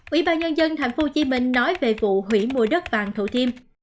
ủy ban nhân dân thành phố hồ chí minh nói về vụ hủy mua đất vàng thổ thiêm